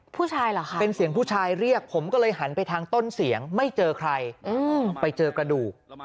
เหรอคะเป็นเสียงผู้ชายเรียกผมก็เลยหันไปทางต้นเสียงไม่เจอใครไปเจอกระดูก